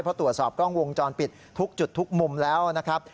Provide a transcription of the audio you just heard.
เพราะตรวจสอบกล้องวงจรปิดทุกจุดทุกมุมแล้วนะครับ